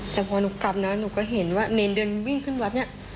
แต่พอหนูกลับนะหนูก็เห็นว่าเนรเดินวิ่งขึ้นวัดเนี่ย